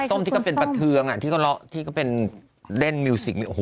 ส้มที่ก็เป็นประเทืองที่ก็เล่นมิวสิก